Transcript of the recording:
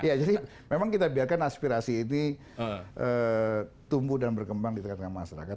ya jadi memang kita biarkan aspirasi ini tumbuh dan berkembang di tengah tengah masyarakat